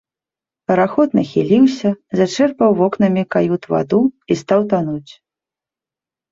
Параход нахіліўся, зачэрпаў вокнамі кают ваду і стаў тануць.